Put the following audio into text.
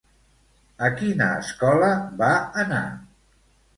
A quina escola va anar?